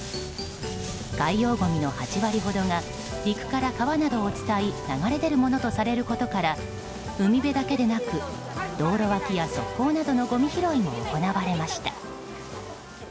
海洋ごみの８割ほどが陸から川などを伝い流れ出るものとされることから海辺だけでなく道路脇の側溝などのごみ拾いも行われました。